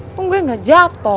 tungguin gak jatoh